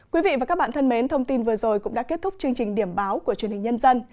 quý vị và các bạn thân mến thông tin vừa rồi cũng đã kết thúc chương trình điểm báo của truyền hình nhân dân